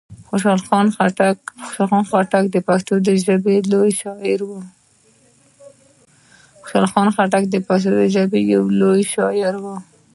خوشحال خان خټک د پښتو ژبي لوی شاعر وو.